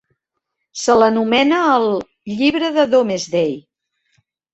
Se l'anomena al "llibre de Domesday".